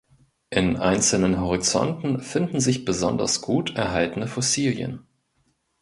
In einzelnen Horizonten finden sich besonders gut erhaltene Fossilien.